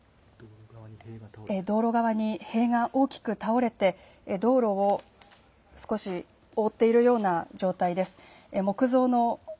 道路側に塀が大きく倒れて道路を少し覆っているような状態です。